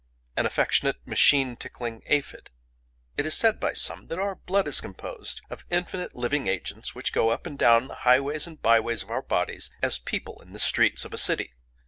An affectionate machine tickling aphid? "It is said by some that our blood is composed of infinite living agents which go up and down the highways and byways of our bodies as people in the streets of a city.